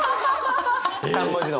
３文字の？